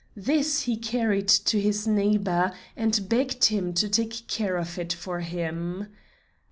This he carried to his neighbor, and begged him to take care of it for him.